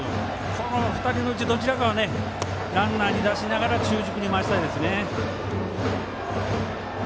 この２人のうちどちらかがランナーに出しながら中軸に回したいですね。